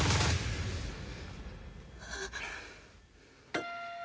あっ